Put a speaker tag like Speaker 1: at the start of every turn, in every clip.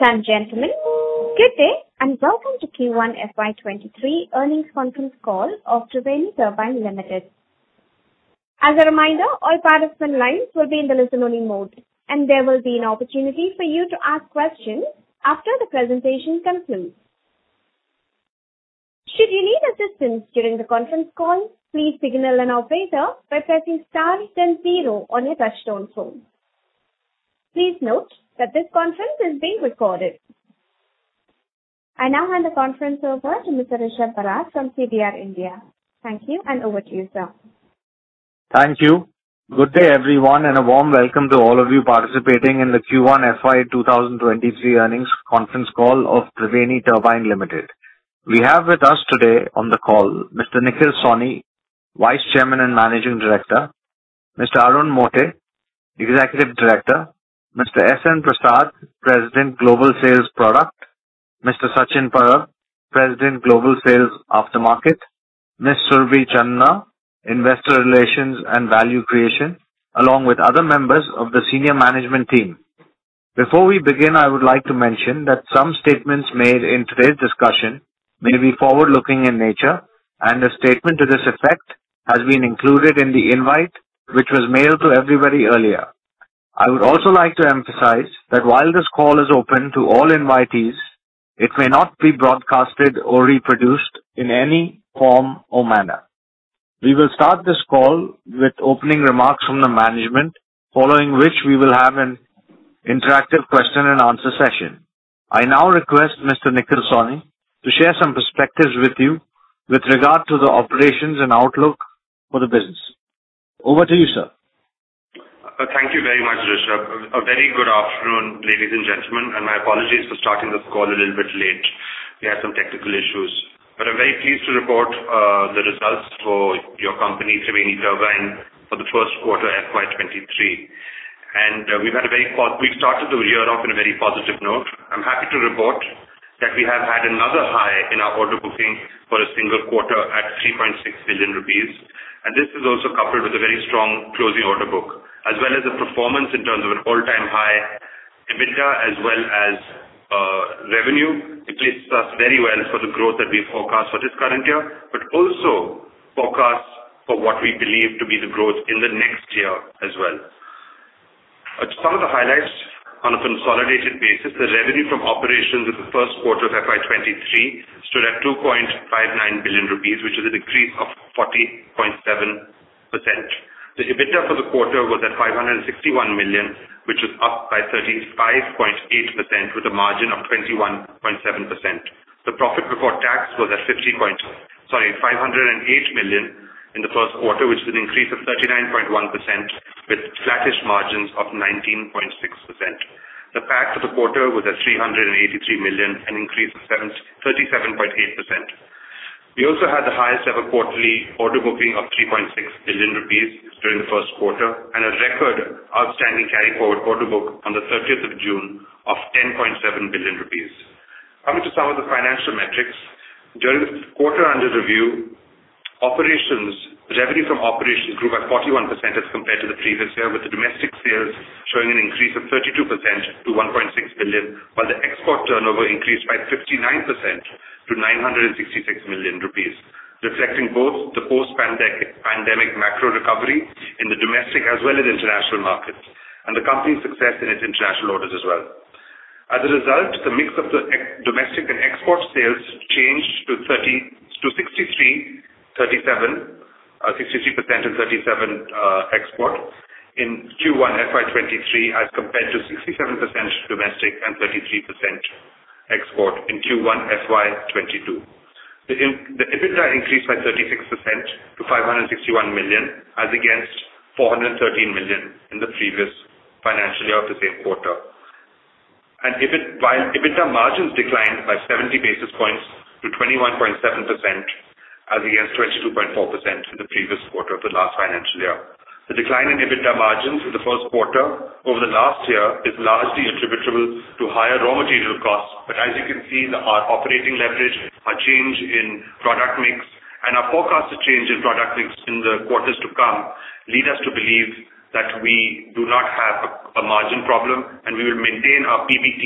Speaker 1: Ladies and gentlemen, good day, and welcome to Q1 FY 2023 Earnings Conference Call of Triveni Turbine Limited. As a reminder, all participant lines will be in the listen only mode, and there will be an opportunity for you to ask questions after the presentation concludes. Should you need assistance during the conference call, please signal an operator by pressing star then zero on your touchtone phone. Please note that this conference is being recorded. I now hand the conference over to Mr. Rishab Barar from CDR India. Thank you, and over to you, sir.
Speaker 2: Thank you. Good day, everyone, and a warm welcome to all of you participating in the Q1 FY 2023 Earnings Conference Call of Triveni Turbine Limited. We have with us today on the call Mr. Nikhil Sawhney, Vice Chairman and Managing Director, Mr. Arun Mote, Executive Director, Mr. S.N. Prasad, President Global Sales Product, Mr. Sachin Parab, President Global Sales Aftermarket, Ms. Surabhi Chandna, Investor Relations and Value Creation, along with other members of the senior management team. Before we begin, I would like to mention that some statements made in today's discussion may be forward-looking in nature, and a statement to this effect has been included in the invite, which was mailed to everybody earlier. I would also like to emphasize that while this call is open to all invitees, it may not be broadcasted or reproduced in any form or manner. We will start this call with opening remarks from the management, following which we will have an interactive question and answer session. I now request Mr. Nikhil Sawhney to share some perspectives with you with regard to the operations and outlook for the business. Over to you, sir.
Speaker 3: Thank you very much, Rishab. A very good afternoon, ladies and gentlemen, and my apologies for starting this call a little bit late. We had some technical issues. I'm very pleased to report the results for your company, Triveni Turbine, for the first quarter FY 2023. We've started the year off in a very positive note. I'm happy to report that we have had another high in our order booking for a single quarter at 3.6 billion rupees. This is also coupled with a very strong closing order book, as well as a performance in terms of an all-time high EBITDA as well as revenue. It places us very well for the growth that we forecast for this current year, but also forecasts for what we believe to be the growth in the next year as well. Some of the highlights on a consolidated basis, the revenue from operations in the first quarter of FY 2023 stood at 2.59 billion rupees, which is an increase of 40.7%. The EBITDA for the quarter was at 561 million, which is up by 35.8% with a margin of 21.7%. The profit before tax was at 508 million in the first quarter, which is an increase of 39.1% with flattish margins of 19.6%. The PAT for the quarter was at 383 million, an increase of 737.8%. We also had the highest ever quarterly order booking of 3.6 billion rupees during the first quarter, and a record outstanding carry-forward order book on the thirtieth of June of 10.7 billion rupees. Coming to some of the financial metrics, during the quarter under review, revenue from operations grew by 41% as compared to the previous year, with the domestic sales showing an increase of 32% to 1.6 billion, while the export turnover increased by 59% to 966 million rupees, reflecting both the post-pandemic macro recovery in the domestic as well as international markets, and the company's success in its international orders as well. As a result, the mix of the domestic and export sales changed to 63% domestic and 37% export in Q1 FY 2023 as compared to 67% domestic and 33% export in Q1 FY 2022. The EBITDA increased by 36% to 561 million as against 413 million in the previous financial year of the same quarter. EBIT, while EBITDA margins declined by 70 basis points to 21.7% as against 22.4% in the previous quarter of the last financial year. The decline in EBITDA margins in the first quarter over the last year is largely attributable to higher raw material costs. As you can see, our operating leverage, our change in product mix, and our forecasted change in product mix in the quarters to come lead us to believe that we do not have a margin problem, and we will maintain our PBT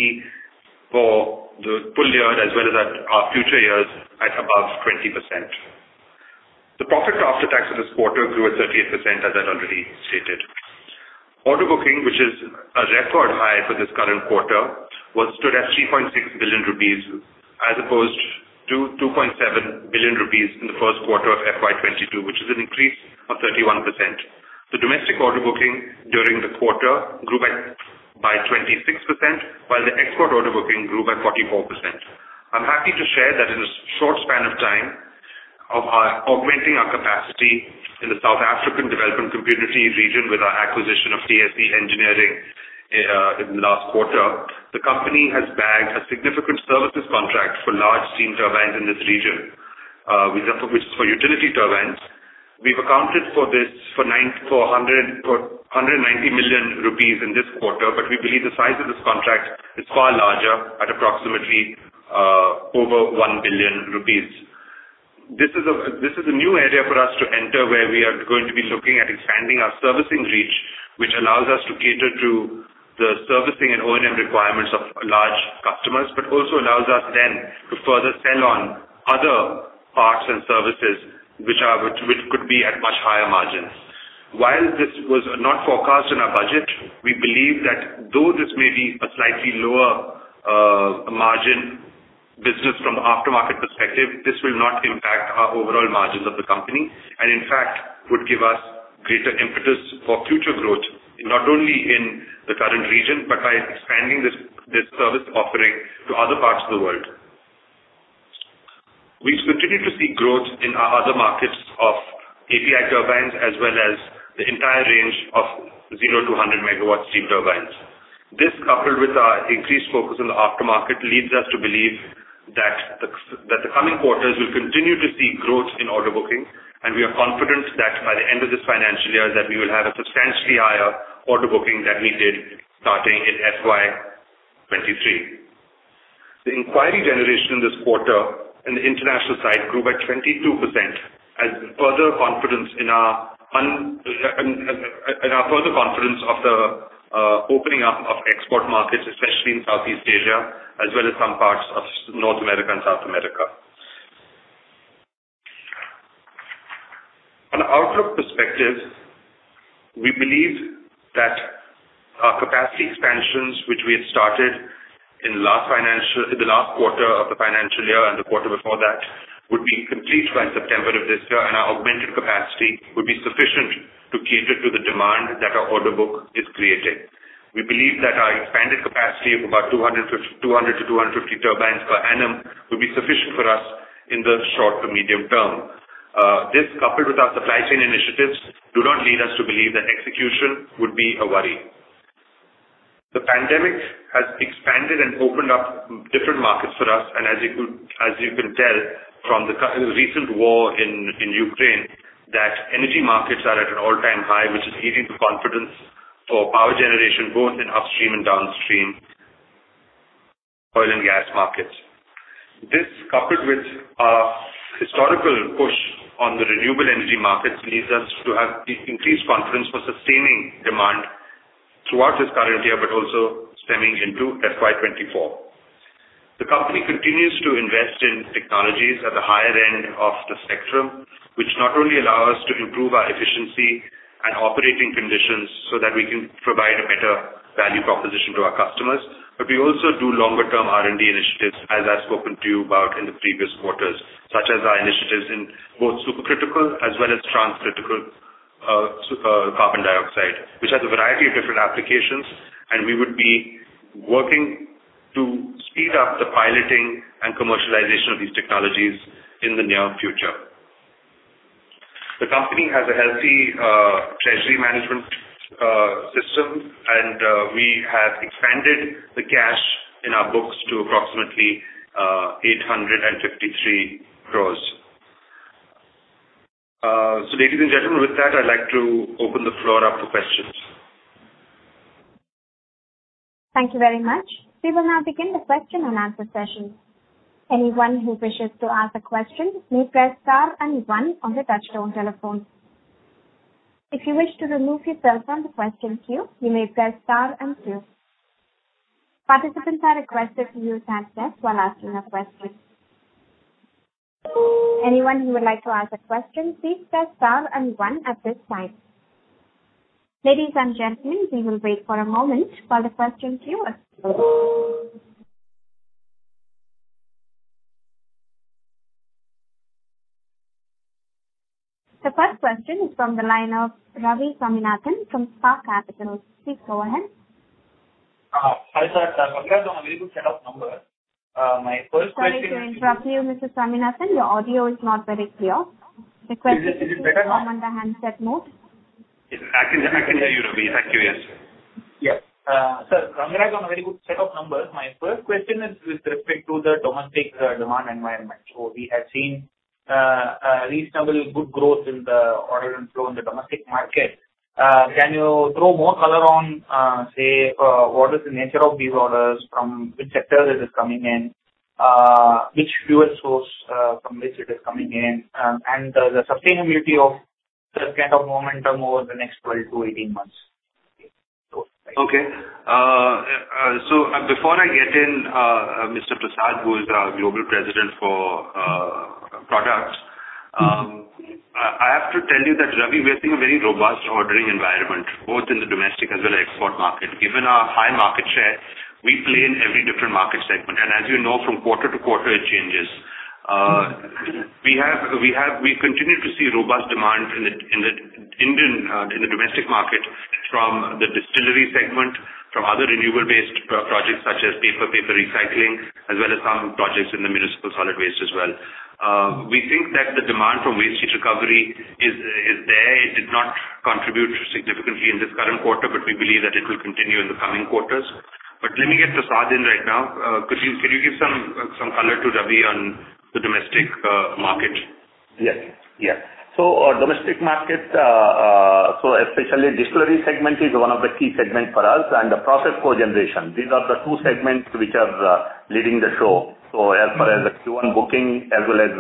Speaker 3: for the full year as well as our future years at above 20%. The profit after tax for this quarter grew at 38%, as I've already stated. Order booking, which is a record high for this current quarter, was stood at 3.6 billion rupees as opposed to 2.7 billion rupees in the first quarter of FY 2022, which is an increase of 31%. The domestic order booking during the quarter grew by 26%, while the export order booking grew by 44%. I'm happy to share that in a short span of time of our augmenting our capacity in the South African Development Community region with our acquisition of TSE Engineering Pty. Ltd. in the last quarter. The company has bagged a significant services contract for large steam turbines in this region, which is for utility turbines. We've accounted for this for 190 million rupees in this quarter. We believe the size of this contract is far larger at approximately over 1 billion rupees. This is a new area for us to enter, where we are going to be looking at expanding our servicing reach, which allows us to cater to the servicing and O&M requirements of large customers, but also allows us then to further sell on other parts and services which could be at much higher margins. While this was not forecast in our budget, we believe that though this may be a slightly lower margin business from aftermarket perspective, this will not impact our overall margins of the company, and in fact, would give us greater impetus for future growth, not only in the current region, but by expanding this service offering to other parts of the world. We continue to see growth in our other markets of API Turbines as well as the entire range of 0 to 100 megawatts steam turbines. This, coupled with our increased focus on the aftermarket, leads us to believe that the coming quarters will continue to see growth in order booking. We are confident that by the end of this financial year that we will have a substantially higher order booking than we did starting in FY 2023. The inquiry generation this quarter in the international side grew by 22% as further confidence in our opening up of export markets, especially in Southeast Asia as well as some parts of North America and South America. On outlook perspective, we believe that our capacity expansions, which we had started in the last quarter of the financial year and the quarter before that, would be complete by September of this year, and our augmented capacity would be sufficient to cater to the demand that our order book is creating. We believe that our expanded capacity of about 200-250 turbines per annum will be sufficient for us in the short to medium term. This coupled with our supply chain initiatives do not lead us to believe that execution would be a worry. The pandemic has expanded and opened up different markets for us, and as you can tell from the recent war in Ukraine, that energy markets are at an all-time high, which is leading to confidence for power generation, both in upstream and downstream oil and gas markets. This, coupled with our historical push on the renewable energy markets, leads us to have increased confidence for sustaining demand throughout this current year, but also stemming into FY 2024. The company continues to invest in technologies at the higher end of the spectrum, which not only allow us to improve our efficiency and operating conditions so that we can provide a better value proposition to our customers, but we also do longer term R&D initiatives, as I've spoken to you about in the previous quarters, such as our initiatives in both supercritical as well as transcritical carbon dioxide, which has a variety of different applications. We would be working to speed up the piloting and commercialization of these technologies in the near future. The company has a healthy treasury management system, and we have expanded the cash in our books to approximately 853 crores. Ladies and gentlemen, with that, I'd like to open the floor up for questions.
Speaker 1: Thank you very much. We will now begin the question and answer session. Anyone who wishes to ask a question may press star and one on your touchtone telephone. If you wish to remove yourself from the question queue, you may press star and two. Participants are requested to use handset while asking a question. Anyone who would like to ask a question, please press star and one at this time. Ladies and gentlemen, we will wait for a moment for the question queue. The first question is from the line of Ravi Swaminathan from Spark Capital. Please go ahead.
Speaker 4: Hi, sir. Congratulations on a very good set of numbers. My first question.
Speaker 1: Sorry to interrupt you, Mr. Swaminathan. Your audio is not very clear. Requesting to perform on the handset mode.
Speaker 3: Is it better now? I can hear you, Ravi. Thank you. Yes.
Speaker 5: Yeah. Sir, congratulations on a very good set of numbers. My first question is with respect to the domestic demand environment. We have seen a reasonably good growth in the order flow in the domestic market. Can you throw more color on, say, what is the nature of these orders? From which sector it is coming in? Which fuel source from which it is coming in? And the sustainability of that kind of momentum over the next 12-18 months.
Speaker 3: Before I get in, Mr. S.N. Prasad, who is our Global President for Products, I have to tell you that, Ravi, we are seeing a very robust ordering environment, both in the domestic as well as export market. Given our high market share, we play in every different market segment. As you know, from quarter to quarter it changes. We continue to see robust demand in the domestic market from the distillery segment, from other renewable based projects such as paper recycling, as well as some projects in the municipal solid waste as well. We think that the demand for waste heat recovery is there. It did not contribute significantly in this current quarter, but we believe that it will continue in the coming quarters.
Speaker 5: Let me get Prasad in right now. Can you give some color to Ravi on the domestic market?
Speaker 6: Yes. Yeah, our domestic market, especially distillery segment is one of the key segments for us, and the process cogeneration. These are the two segments which are leading the show. As far as the Q1 booking, as well as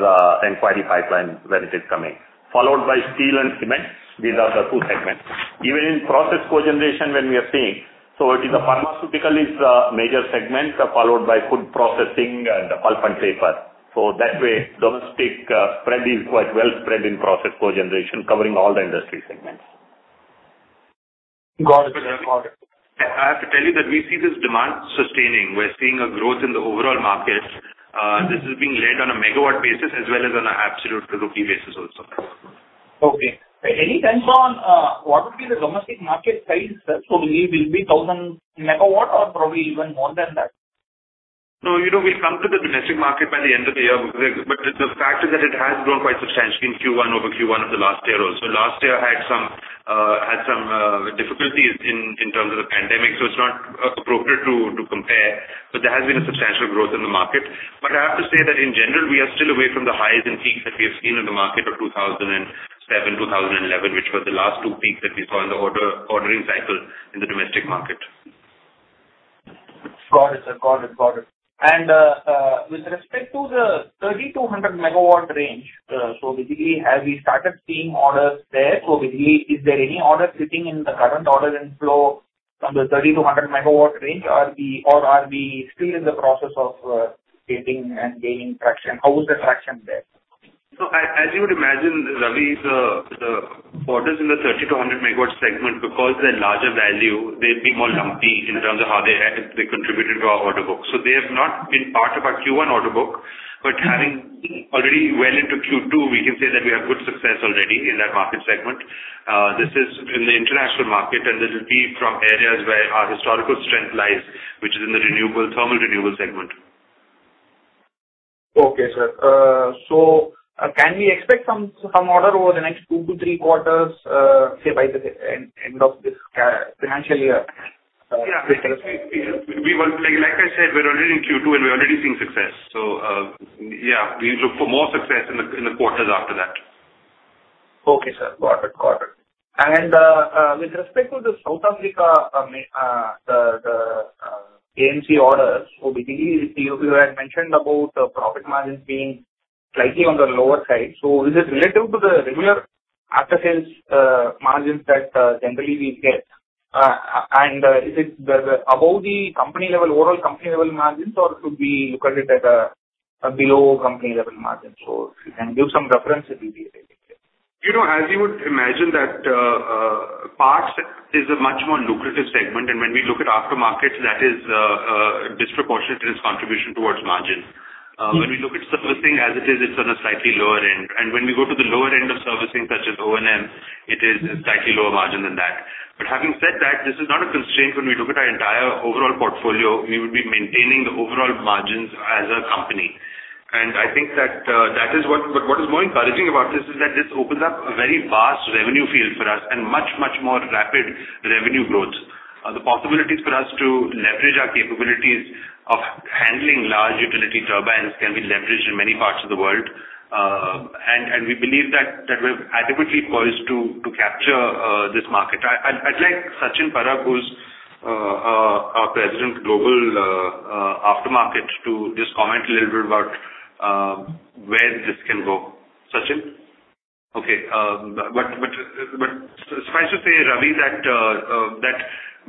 Speaker 6: inquiry pipeline, where it is coming. Followed by steel and cement. These are the two segments. Even in process cogeneration, when we are seeing, it is pharmaceuticals major segment, followed by food processing and pulp and paper. That way, domestic spread is quite well spread in process cogeneration covering all the industry segments.
Speaker 5: Got it. Got it.
Speaker 3: I have to tell you that we see this demand sustaining. We're seeing a growth in the overall market. This is being led on a MW basis as well as on an absolute rupee basis also.
Speaker 5: Okay. Any sense on what would be the domestic market size? Will it be 1,000 megawatts or probably even more than that?
Speaker 3: No, you know, we'll come to the domestic market by the end of the year. The fact is that it has grown quite substantially in Q1 over Q1 of the last year also. Last year had some difficulties in terms of the pandemic, so it's not appropriate to compare. There has been a substantial growth in the market. I have to say that in general, we are still away from the highs and peaks that we have seen in the market of 2007, 2011, which were the last two peaks that we saw in the ordering cycle in the domestic market.
Speaker 5: Got it, sir. With respect to the 30-100 MW range, basically have we started seeing orders there? Basically, is there any order sitting in the current order inflow from the 30-100 MW range, or we, or are we still in the process of getting and gaining traction? How is the traction there?
Speaker 3: As you would imagine, Ravi, the orders in the 30-100 MW segment, because they're larger value, they've been more lumpy in terms of how they contributed to our order book. They have not been part of our Q1 order book. Having already well into Q2, we can say that we have good success already in that market segment. This is in the international market, and this will be from areas where our historical strength lies, which is in the renewable, thermal renewable segment.
Speaker 5: Okay, sir. So, can we expect some order over the next two to three quarters, say by the end of this financial year?
Speaker 3: Yeah. We will. Like I said, we're already in Q2 and we're already seeing success. Yeah, we look for more success in the quarters after that.
Speaker 5: Okay, sir. Got it. With respect to South Africa, the AMC orders, basically you had mentioned about the profit margins being slightly on the lower side. Is it relative to the regular after-sales margins that generally we get? And is it above the company level, overall company level margins, or should we look at it as a below company level margin? If you can give some reference, it'll be great.
Speaker 3: You know, as you would imagine that, parts is a much more lucrative segment. When we look at aftermarket, that is disproportionate in its contribution towards margin. When we look at servicing as it is, it's on a slightly lower end. When we go to the lower end of servicing, such as O&M, it is a slightly lower margin than that. Having said that, this is not a constraint when we look at our entire overall portfolio. We would be maintaining the overall margins as a company. I think that is what. What is more encouraging about this is that this opens up a very vast revenue field for us and much, much more rapid revenue growth. The possibilities for us to leverage our capabilities of handling large utility turbines can be leveraged in many parts of the world. We believe that we're adequately poised to capture this market. I'd like Sachin Parab, who's our President, Global Aftermarket, to just comment a little bit about where this can go. Sachin? Okay. Suffice to say, Ravi, that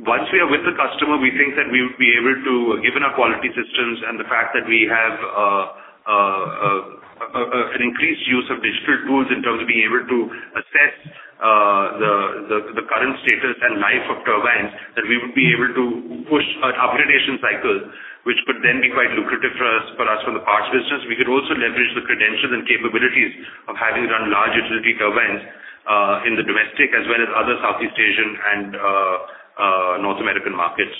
Speaker 3: once we are with the customer, we think that we would be able to, given our quality systems and the fact that we have an increased use of digital tools in terms of being able to assess the current status and life of turbines, that we would be able to push an upgradation cycle, which could then be quite lucrative for us from the parts business. We could also leverage the credentials and capabilities of having run large utility turbines in the domestic as well as other Southeast Asian and North American markets.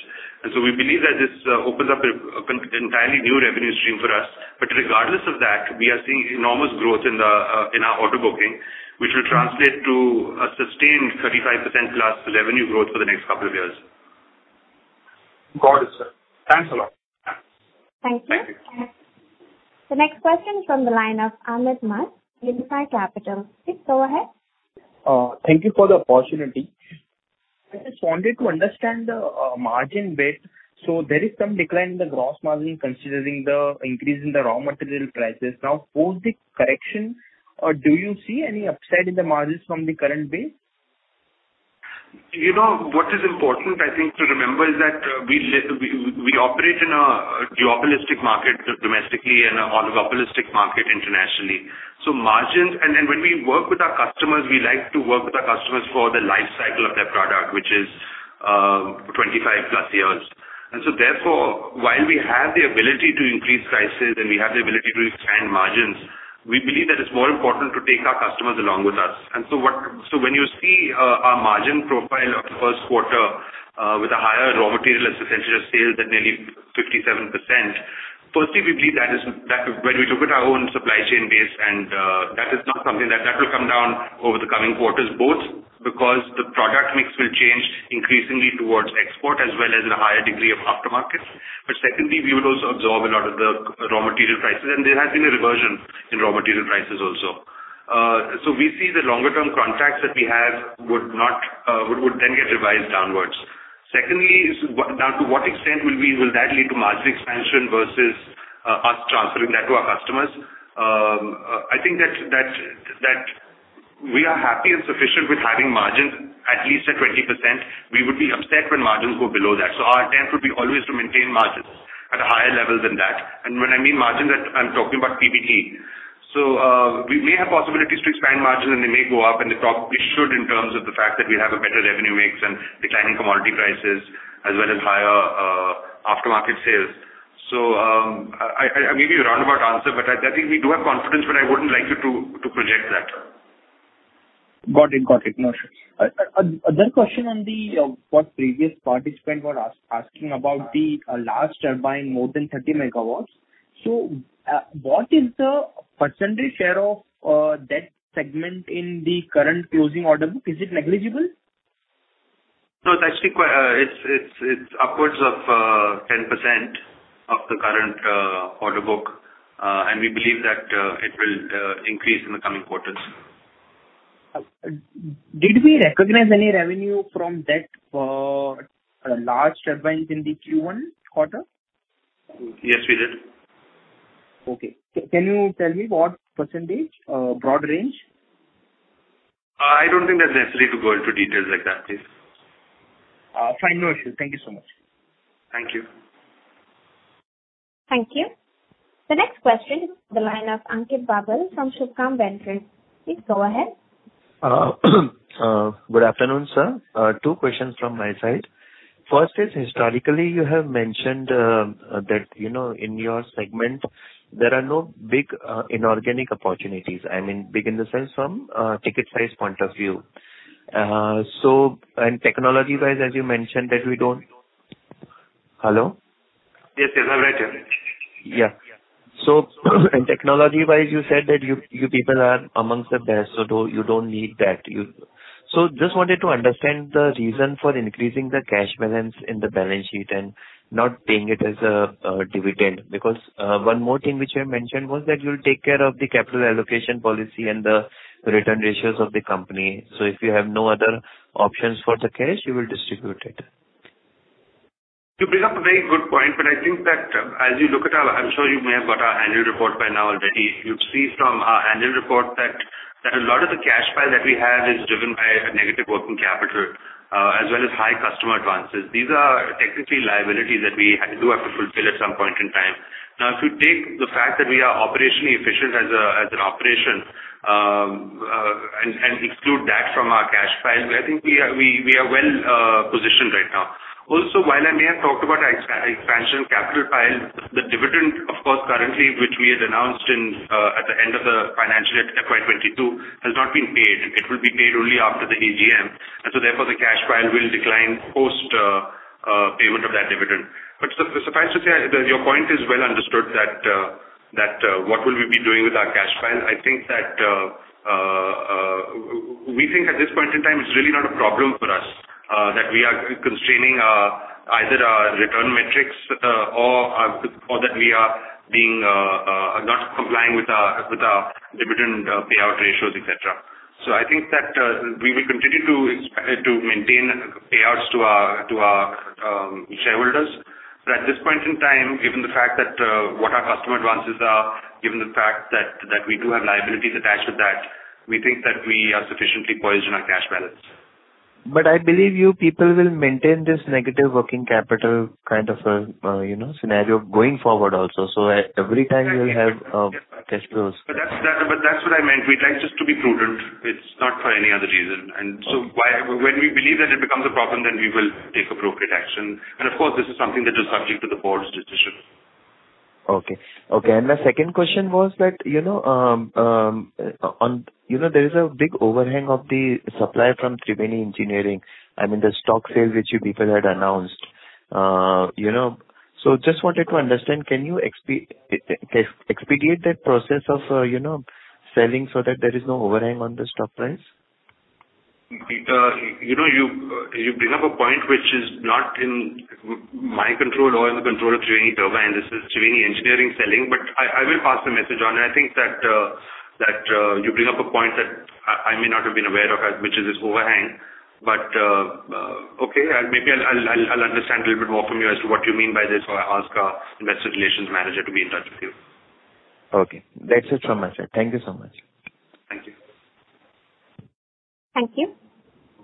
Speaker 3: We believe that this opens up an entirely new revenue stream for us. Regardless of that, we are seeing enormous growth in our order booking, which will translate to a sustained 35%+ revenue growth for the next couple of years.
Speaker 5: Got it, sir. Thanks a lot.
Speaker 1: Thank you. The next question from the line of Ahmed Madha, Unifi Capital. Please go ahead.
Speaker 7: Thank you for the opportunity. I just wanted to understand the margin bit. There is some decline in the gross margin considering the increase in the raw material prices. Now, post the correction, do you see any upside in the margins from the current base?
Speaker 3: You know, what is important I think to remember is that we operate in a duopolistic market domestically and an oligopolistic market internationally. So margins, and then when we work with our customers, we like to work with our customers for the life cycle of their product, which is 25+ years. While we have the ability to increase prices and we have the ability to expand margins, we believe that it's more important to take our customers along with us. When you see our margin profile of the first quarter with a higher raw material as a percentage of sales at nearly 57%, firstly, we believe that when we look at our own supply chain base and that is not something that will come down over the coming quarters, both because the product mix will change increasingly towards export as well as in a higher degree of aftermarket. Secondly, we would also absorb a lot of the raw material prices, and there has been a reversion in raw material prices also. We see the longer-term contracts that we have would then get revised downwards. Secondly is to what extent will that lead to margin expansion versus us transferring that to our customers? I think that we are happy and sufficient with having margins at least at 20%. We would be upset when margins go below that. Our attempt would be always to maintain margins at a higher level than that. When I mean margins, I'm talking about PBT. We may have possibilities to expand margins and they may go up, and they should in terms of the fact that we have a better revenue mix and declining commodity prices as well as higher aftermarket sales. I maybe a roundabout answer, but I think we do have confidence, but I wouldn't like you to project that.
Speaker 7: Got it. No issues. Another question on what previous participant was asking about the large turbine, more than 30 MW. What is the percentage share of that segment in the current closing order book? Is it negligible?
Speaker 3: No, it's actually upwards of 10% of the current order book, and we believe that it will increase in the coming quarters.
Speaker 7: Did we recognize any revenue from that large turbines in the Q1 quarter?
Speaker 3: Yes, we did.
Speaker 7: Okay. Can you tell me what percentage, broad range?
Speaker 3: I don't think that's necessary to go into details like that, please.
Speaker 7: Fine. No issue. Thank you so much.
Speaker 3: Thank you.
Speaker 1: Thank you. The next question is the line of Ankit Babel from Subhkam Ventures. Please go ahead.
Speaker 8: Good afternoon, sir. Two questions from my side. First is historically you have mentioned that you know in your segment there are no big inorganic opportunities. I mean big in the sense from ticket size point of view. Technology wise as you mentioned that we don't. Hello?
Speaker 3: Yes. Yes, I'm right here.
Speaker 8: Yeah. Technology wise, you said that you people are among the best, so though you don't need that. Just wanted to understand the reason for increasing the cash balance in the balance sheet and not paying it as a dividend. Because one more thing which you mentioned was that you'll take care of the capital allocation policy and the return ratios of the company. If you have no other options for the cash, you will distribute it.
Speaker 3: You bring up a very good point, but I think that, as you look at our annual report, I'm sure you may have got our annual report by now already. You'd see from our annual report that a lot of the cash pile that we have is driven by a negative working capital, as well as high customer advances. These are technically liabilities that we do have to fulfill at some point in time. Now, if you take the fact that we are operationally efficient as a, as an operation, and exclude that from our cash pile, I think we are well positioned right now. Also, while I may have talked about expansion capital pile, the dividend of course currently which we had announced in, at the end of the financial year, FY 2022, has not been paid. It will be paid only after the AGM, and so therefore the cash pile will decline post payment of that dividend. Suffice to say, your point is well understood that what will we be doing with our cash pile. I think that we think at this point in time it's really not a problem for us, that we are constraining either our return metrics or our or that we are being not complying with our dividend payout ratios, et cetera. I think that we will continue to maintain payouts to our shareholders. At this point in time, given the fact that what our customer advances are, given the fact that we do have liabilities attached to that, we think that we are sufficiently poised in our cash balance.
Speaker 8: I believe you people will maintain this negative working capital kind of a, you know, scenario going forward also. Every time you will have, cash flows.
Speaker 3: That's what I meant. We try just to be prudent. It's not for any other reason.
Speaker 8: Okay.
Speaker 3: When we believe that it becomes a problem, then we will take appropriate action. Of course, this is something that is subject to the board's decision.
Speaker 8: Okay. Okay, my second question was that, you know, on, you know, there is a big overhang of the supply from Triveni Engineering. I mean, the stock sale which you people had announced. You know, so just wanted to understand, can you expedite that process of, you know, selling so that there is no overhang on the stock price?
Speaker 3: You know, you bring up a point which is not in my control or in the control of Triveni Turbine. This is Triveni Engineering selling, but I will pass the message on. I think that you bring up a point that I may not have been aware of, which is this overhang. Okay, I'll understand a little bit more from you as to what you mean by this, or I'll ask our investor relations manager to be in touch with you.
Speaker 8: Okay. That's it from my side. Thank you so much.
Speaker 3: Thank you.
Speaker 1: Thank you.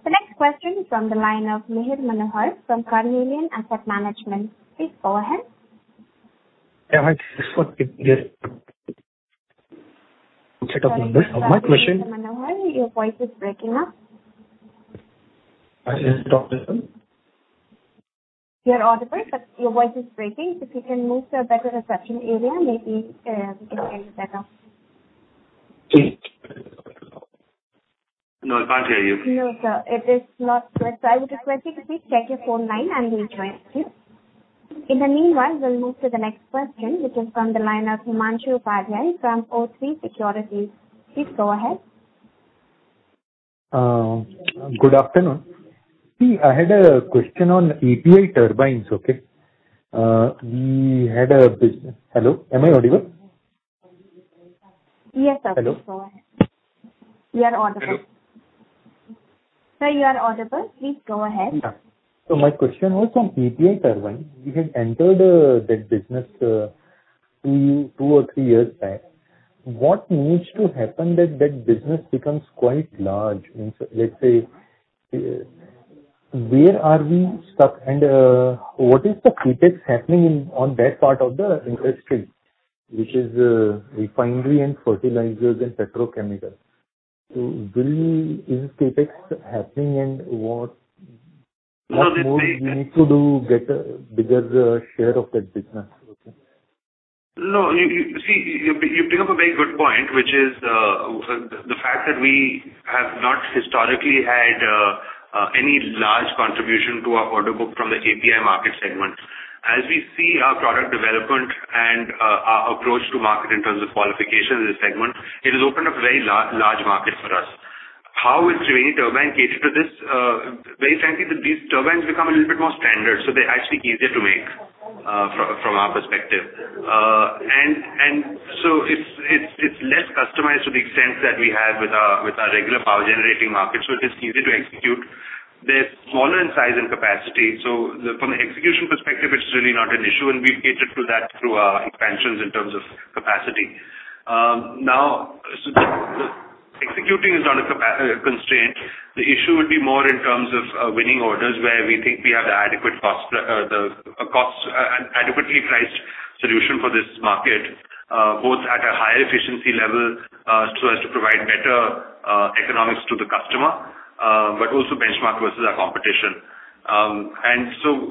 Speaker 1: The next question is on the line of Mihir Manohar from Carnelian Asset Management. Please go ahead.
Speaker 9: Hi. Just one quick, yeah. Check out the list of my question.
Speaker 1: Sorry to interrupt you, Mr. Manohar. Your voice is breaking up.
Speaker 9: Yes. Dr.
Speaker 1: You're audible, but your voice is breaking. If you can move to a better reception area, maybe, we can hear you better.
Speaker 9: Okay.
Speaker 3: No, it can't hear you.
Speaker 1: No, sir, it is not clear. I would request you to please check your phone line and rejoin us, please. In the meanwhile, we'll move to the next question, which is from the line of Himanshu Upadhyay from O3 Asset Management. Please go ahead.
Speaker 10: Good afternoon. See, I had a question on API Turbines, okay? Hello. Am I audible?
Speaker 1: Yes, absolutely.
Speaker 10: Hello.
Speaker 1: Go ahead. You are audible.
Speaker 10: Hello.
Speaker 1: Sir, you are audible. Please go ahead.
Speaker 10: Yeah. My question was on API Turbine. You had entered that business two or three years back. What needs to happen that business becomes quite large? Let's say, where are we stuck and what is the CapEx happening in on that part of the industry, which is refinery and fertilizers and petrochemicals? Is CapEx happening, and what more do we need to do get a bigger share of that business? Okay.
Speaker 3: No, you see, you pick up a very good point, which is, the fact that we have not historically had, any large contribution to our order book from the API market segment. As we see our product development and, our approach to market in terms of qualification in this segment, it has opened up a very large market for us. How is API Turbine catered to this? Very frankly, these turbines become a little bit more standard, so they're actually easier to make, from our perspective. And so it's less customized to the extent that we had with our regular power generating market, so it is easier to execute. They're smaller in size and capacity, so the From an execution perspective, it's really not an issue, and we've catered to that through our expansions in terms of capacity. Now, the execution is not a capacity constraint. The issue would be more in terms of winning orders where we think we have an adequately priced solution for this market, both at a higher efficiency level, so as to provide better economics to the customer, but also benchmark versus our competition.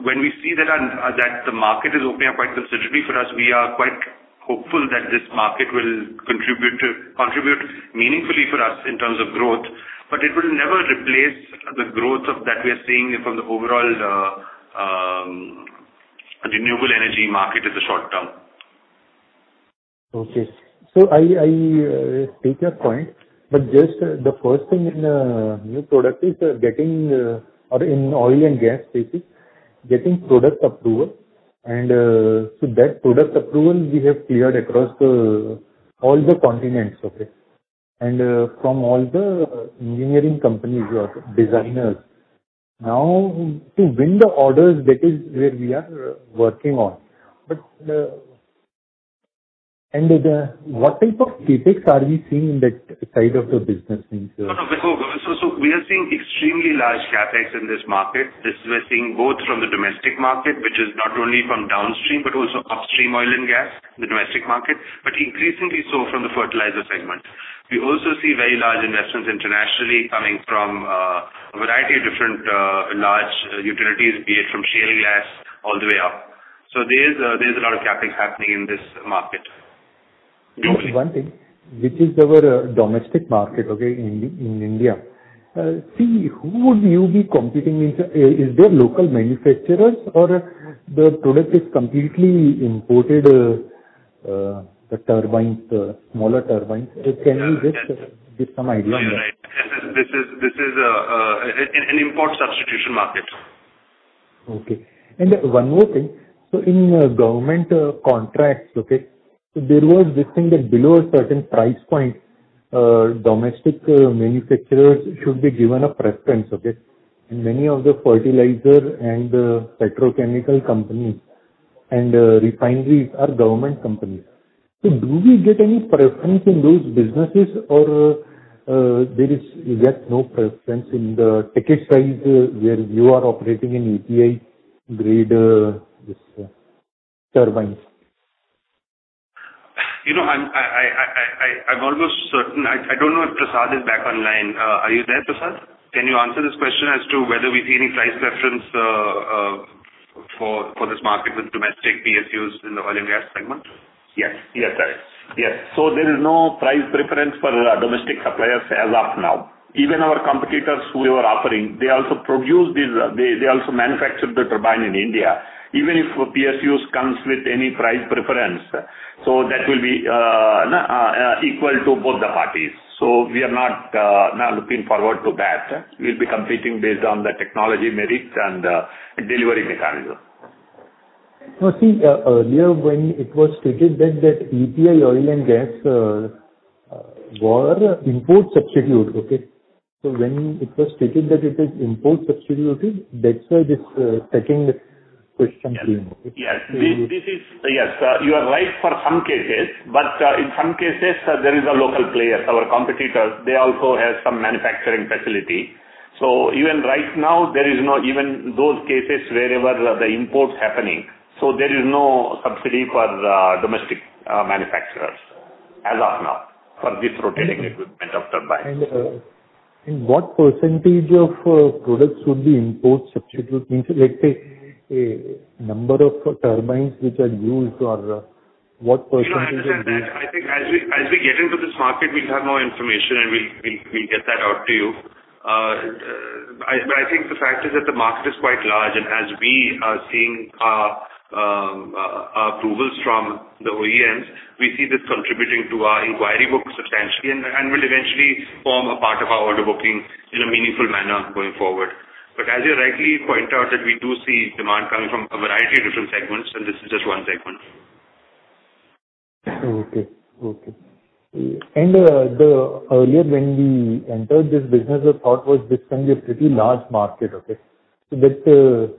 Speaker 3: When we see that the market is opening up quite considerably for us, we are quite hopeful that this market will contribute meaningfully for us in terms of growth. It will never replace the growth that we are seeing from the overall renewable energy market in the short term.
Speaker 10: Okay. I take your point, but just the first thing in new product or in oil and gas space is getting product approval. That product approval we have cleared across all the continents, okay? From all the engineering companies or designers. Now, to win the orders, that is where we are working on. What type of CapEx are we seeing in that side of the business in
Speaker 3: No, no. We are seeing extremely large CapEx in this market. This, we're seeing both from the domestic market, which is not only from downstream, but also upstream oil and gas, the domestic market, but increasingly so from the fertilizer segment. We also see very large investments internationally coming from a variety of different large utilities, be it from shale gas all the way up. There is a lot of CapEx happening in this market.
Speaker 10: One thing. Which is our domestic market, okay, in India. See, who would you be competing with? Is there local manufacturers or the product is completely imported, the turbines, smaller turbines? Can you just give some idea?
Speaker 3: You're right. This is an import substitution market.
Speaker 10: Okay. One more thing. In government contracts, okay, there was this thing that below a certain price point, domestic manufacturers should be given a preference, okay? Many of the fertilizer and petrochemical companies and refineries are government companies. Do we get any preference in those businesses or there is just no preference in the ticket size where you are operating in API grade this turbines?
Speaker 3: You know, I'm almost certain. I don't know if S.N. Prasad is back online. Are you there, S.N. Prasad? Can you answer this question as to whether we see any price preference for this market with domestic PSUs in the oil and gas segment?
Speaker 6: Yes. Yes, correct. Yes. There is no price preference for our domestic suppliers as of now. Even our competitors who are offering, they also produce these, they also manufacture the turbine in India. Even if PSUs comes with any price preference, so that will be equal to both the parties. We are not looking forward to that. We'll be competing based on the technology merits and delivery mechanism.
Speaker 10: No, see, earlier when it was stated that API oil and gas were import substitute, okay? When it was stated that it is import substitute, that's why this second question came.
Speaker 6: Yes. This is. Yes, you are right for some cases. In some cases, there is a local players, our competitors, they also have some manufacturing facility. Even right now, there is no even those cases wherever the imports happening, so there is no subsidy for the domestic manufacturers as of now for this rotating equipment of turbines.
Speaker 10: What percentage of products would be import substitute? Means, let's say a number of turbines which are used or
Speaker 9: What percentages of these?
Speaker 3: You know, I think as we get into this market, we'd have more information and we'll get that out to you. I think the fact is that the market is quite large, and as we are seeing, approvals from the OEMs, we see this contributing to our inquiry book substantially and will eventually form a part of our order booking in a meaningful manner going forward. As you rightly point out, that we do see demand coming from a variety of different segments, and this is just one segment.
Speaker 9: Okay. The earlier when we entered this business, the thought was this can be a pretty large market, okay? That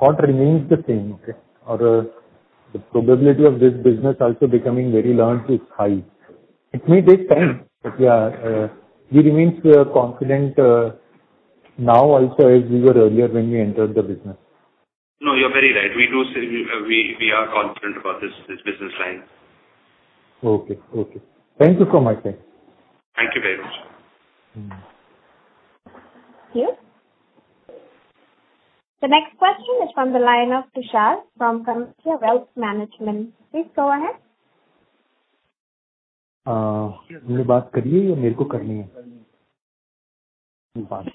Speaker 9: thought remains the same, okay? Or, the probability of this business also becoming very large is high. It may take time, but yeah, we remain confident, now also as we were earlier when we entered the business.
Speaker 3: No, you're very right. We are confident about this business line.
Speaker 9: Okay. Thank you for my time.
Speaker 3: Thank you very much.
Speaker 9: Mm-hmm.
Speaker 1: Thank you. The next question is from the line of Tushar from Kamakhya Wealth Management. Please go ahead.
Speaker 11: Uh,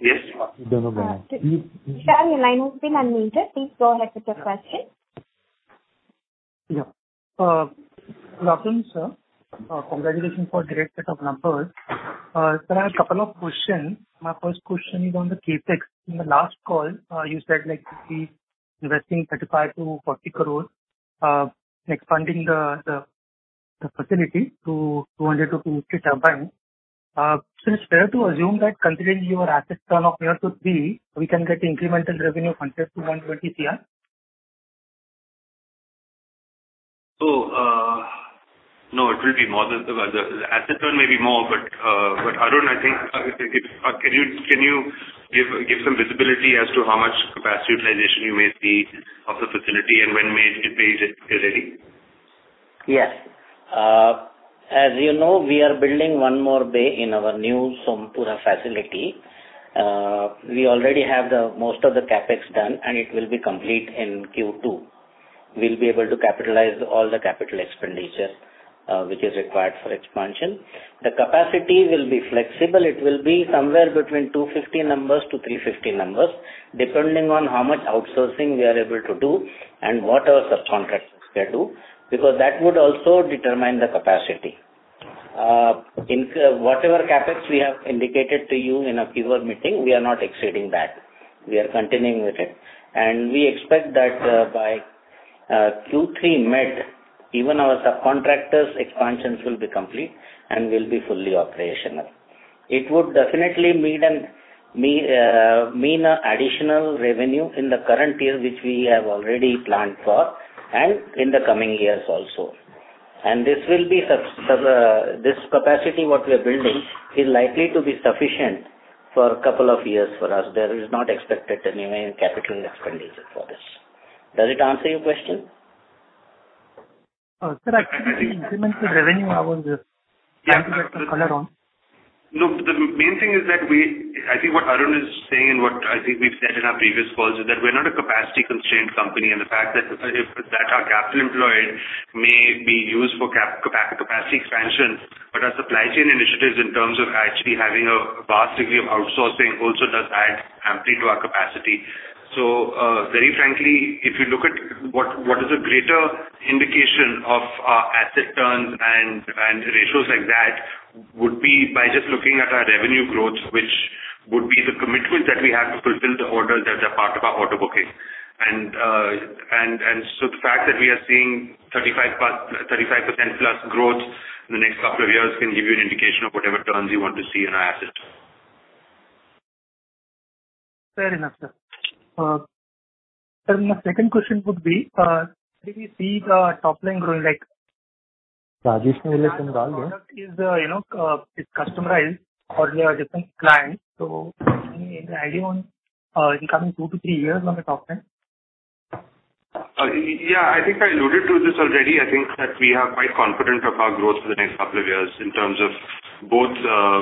Speaker 3: Yes.
Speaker 1: Tushar, your line has been unmuted. Please go ahead with your question.
Speaker 11: Yeah. Welcome, sir. Congratulations for great set of numbers. Sir, I have a couple of questions. My first question is on the CapEx. In the last call, you said, like, you'll be investing 35-40 crore, expanding the facility to 200-250 turbine. So is fair to assume that considering your asset turnover of 2-3, we can get incremental revenue of INR 100-120 crore?
Speaker 3: The asset turn may be more, but Arun, I think, can you give some visibility as to how much capacity utilization you may see of the facility and when may it be ready?
Speaker 12: Yes. As you know, we are building one more bay in our new Sompura Facility. We already have the most of the CapEx done, and it will be complete in Q2. We'll be able to capitalize all the capital expenditure, which is required for expansion. The capacity will be flexible. It will be somewhere between 250 numbers to 350 numbers, depending on how much outsourcing we are able to do and what our subcontractors can do, because that would also determine the capacity. In whatever CapEx we have indicated to you in a previous meeting, we are not exceeding that. We are continuing with it. We expect that, by Q3 mid, even our subcontractors' expansions will be complete and will be fully operational. It would definitely mean an. I mean additional revenue in the current year, which we have already planned for, and in the coming years also. This capacity, what we are building, is likely to be sufficient for a couple of years for us. There is not expected any main capital expenditure for this. Does it answer your question?
Speaker 11: Sir, actually the incremental revenue I was trying to get some color on.
Speaker 3: Look, the main thing is that I think what Arun is saying, and what I think we've said in our previous calls, is that we're not a capacity constrained company, and the fact that our capital employed may be used for capacity expansion, but our supply chain initiatives in terms of actually having a vast degree of outsourcing also does add amply to our capacity. Very frankly, if you look at what is a greater indication of our asset turns and ratios like that would be by just looking at our revenue growth, which would be the commitment that we have to fulfill the orders that are part of our order booking. The fact that we are seeing 35%+ growth in the next couple of years can give you an indication of whatever turns you want to see in our assets.
Speaker 11: Fair enough, sir. Sir, my second question would be, do we see the top line growing like?
Speaker 3: Rajesh
Speaker 11: The product is, you know, it's customized for your different clients. Any idea on, in coming two to three years, on the top line?
Speaker 3: Yeah, I think I alluded to this already. I think that we are quite confident of our growth for the next couple of years in terms of both,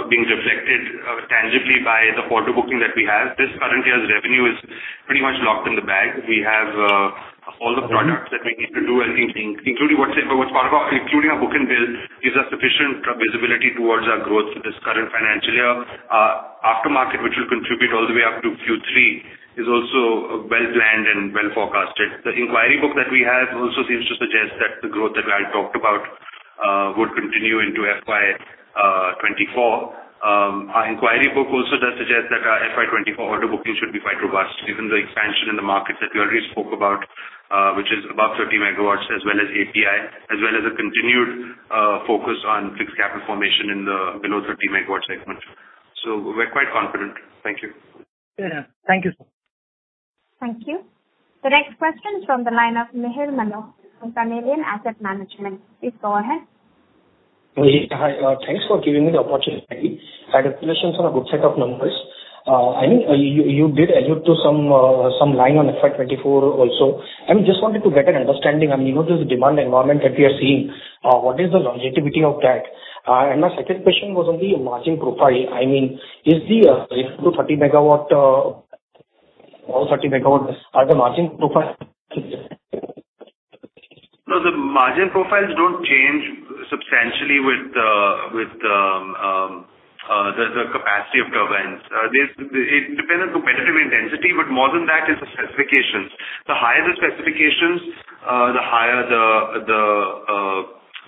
Speaker 3: being reflected tangibly by the order booking that we have. This current year's revenue is pretty much locked in the bag. We have all the products that we need to do anything, including our book-to-bill, gives us sufficient visibility towards our growth for this current financial year. Aftermarket, which will contribute all the way up to Q3, is also well planned and well forecasted. The inquiry book that we have also seems to suggest that the growth that Raj talked about would continue into FY 2024. Our inquiry book also does suggest that our FY 2024 order booking should be quite robust, given the expansion in the markets that we already spoke about, which is above 30 megawatts as well as API, as well as a continued focus on fixed capital formation in the below 30 megawatt segment. We're quite confident. Thank you.
Speaker 11: Fair enough. Thank you, sir.
Speaker 1: Thank you. The next question is from the line of Mihir Manohar from Carnelian Asset Management. Please go ahead.
Speaker 9: Hi. Thanks for giving me the opportunity. Congratulations on a good set of numbers. I mean, you did allude to some line on FY 2024 also. I just wanted to get an understanding. I mean, you know, this demand environment that we are seeing, what is the longevity of that? My second question was on the margin profile. I mean, is the 0-30 MW. All 30 MW are the margin profile?
Speaker 3: No, the margin profiles don't change substantially with the capacity of turbines. It depends on competitive intensity, but more than that is the specifications. The higher the specifications, the higher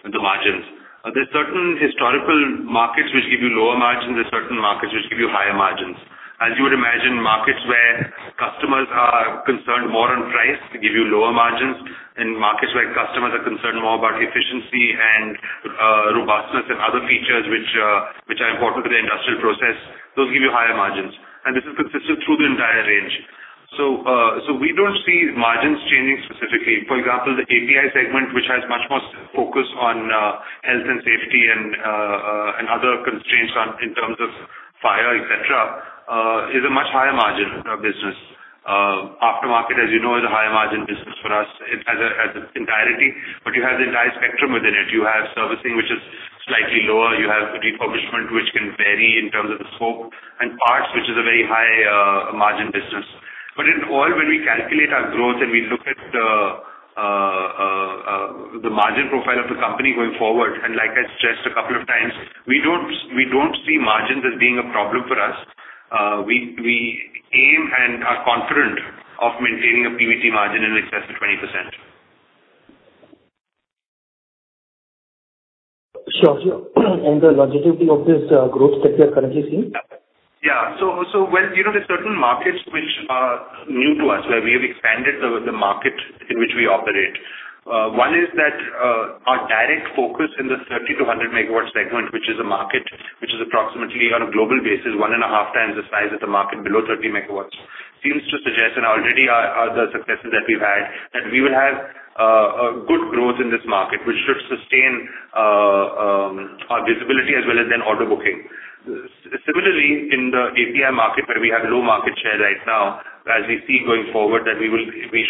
Speaker 3: the margins. There are certain historical markets which give you lower margins. There are certain markets which give you higher margins. As you would imagine, markets where customers are concerned more on price give you lower margins, and markets where customers are concerned more about efficiency and robustness and other features which are important to the industrial process, those give you higher margins. This is consistent through the entire range. We don't see margins changing specifically. For example, the API segment, which has much more focus on health and safety and other constraints on in terms of fire, et cetera, is a much higher margin business. Aftermarket, as you know, is a higher margin business for us as a entirety, but you have the entire spectrum within it. You have servicing, which is slightly lower. You have refurbishment, which can vary in terms of the scope and parts, which is a very high margin business. In all, when we calculate our growth and we look at the margin profile of the company going forward, and like I stressed a couple of times, we don't see margins as being a problem for us. We aim and are confident of maintaining a PBT margin in excess of 20%.
Speaker 12: Sure, sure. The longevity of this growth that we are currently seeing?
Speaker 3: Yeah. When, you know, there are certain markets which are new to us, where we have expanded the market in which we operate. One is that, our direct focus in the 30-100 MW segment, which is a market which is approximately on a global basis, 1.5 times the size of the market below 30 megawatts, seems to suggest and already are the successes that we've had, that we will have a good growth in this market, which should sustain our visibility as well as then order booking. Similarly, in the API market where we have low market share right now, as we see going forward, that we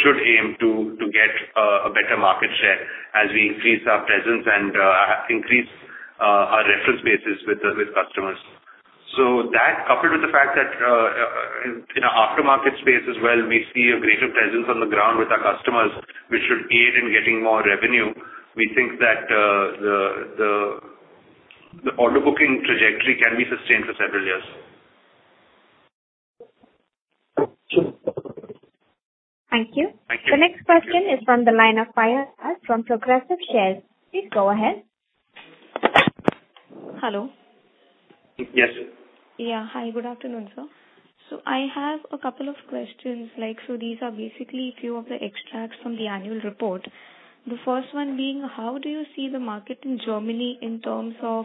Speaker 3: should aim to get a better market share as we increase our presence and increase our reference bases with customers. That coupled with the fact that, in our aftermarket space as well, we see a greater presence on the ground with our customers, which should aid in getting more revenue. We think that, the order booking trajectory can be sustained for several years.
Speaker 12: Okay.
Speaker 1: Thank you.
Speaker 3: Thank you.
Speaker 1: The next question is from the line of Payal Shah from Progressive Share Brokers. Please go ahead.
Speaker 13: Hello.
Speaker 3: Yes.
Speaker 13: Yeah. Hi, good afternoon, sir. I have a couple of questions, like, so these are basically a few of the extracts from the annual report. The first one being, how do you see the market in Germany in terms of,